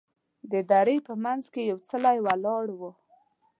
د درې په منځ کې یې یو څلی ولاړ و.